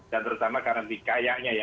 dan terutama karena dikayanya ya